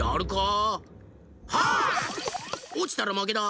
おちたらまけだ。